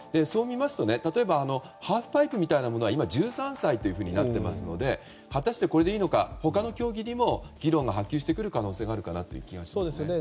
そう見ますと、例えばハーフパイプみたいなものは今、１３歳となっていますので果たして、これでいいのか他の競技にも議論が波及してくる可能性があるかなという気がします。